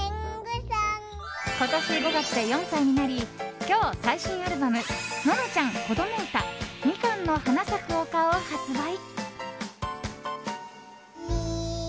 今年５月で４歳になり今日、最新アルバム「ののちゃんこどもうたみかんの花咲く丘」を発売。